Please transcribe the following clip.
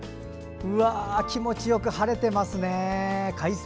気持ちよく晴れていますね、快晴。